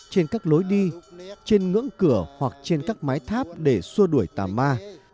trên các lối đi trên ngưỡng cửa hoặc trên các mái tháp để xua đuổi tà ma